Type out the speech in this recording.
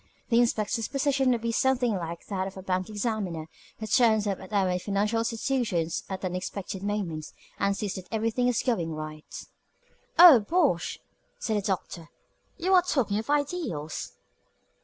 The inspector's position would be something like that of the bank examiner, who turns up at our financial institutions at unexpected moments, and sees that everything is going right." "Oh, bosh!" said the Doctor. "You are talking of ideals."